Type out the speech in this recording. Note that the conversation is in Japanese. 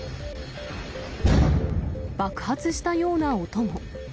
爆発したような音も。